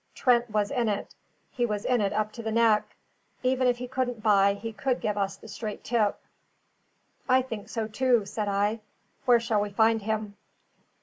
Trent was in it; he was in it up to the neck; even if he couldn't buy, he could give us the straight tip." "I think so, too," said I. "Where shall we find him?"